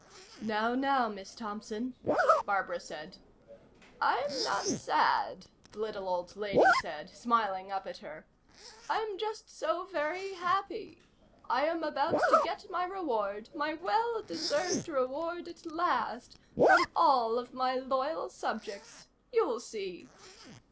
"Now, now, Miss Thompson," Barbara said. "I'm not sad," the little old lady said, smiling up at her. "I'm just so very happy. I am about to get my reward, my well deserved reward at last, from all of my loyal subjects. You'll see."